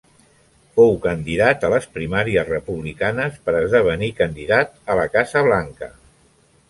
Fou candidat a les primàries republicanes per a esdevenir candidat a la Casa Blanca.